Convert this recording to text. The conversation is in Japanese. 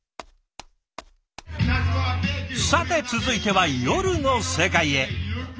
さて続いては夜の世界へ。